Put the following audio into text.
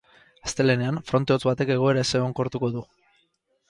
Astelehenean, fronte hotz batek egoera ezegonkortuko du.